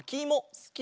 すき！